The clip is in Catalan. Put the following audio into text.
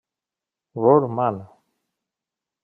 Ruhr Man.